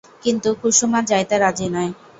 কিন্তু কুসুম আর যাইতে রাজি নয়।